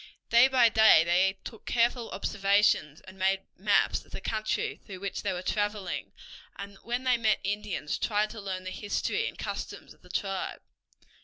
Day by day they took careful observations, and made maps of the country through which they were traveling, and when they met Indians tried to learn the history and customs of the tribe.